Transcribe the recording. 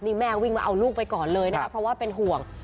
นี่แม่วิ่งมาเอาลูกไปก่อนเลยนะคะเพราะว่าเป็นห่วง